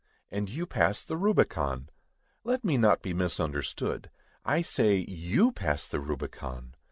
And you pass the Rubicon! Let me not be misunderstood. I say, you pass the Rubicon!